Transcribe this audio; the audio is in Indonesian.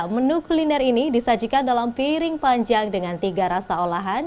menu kuliner ini disajikan dalam piring panjang dengan tiga rasa olahan